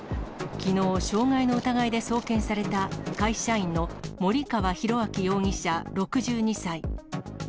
きのう、傷害の疑いで送検された会社員の森川浩昭容疑者６２歳。